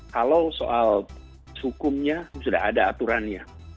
kalau soal hukumnya sudah ada aturannya